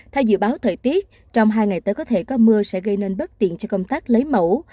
theo dự báo thời tiết trong hai ngày tới có thể có mưa sẽ gây nên bất tiện cho công tác lấy mẫu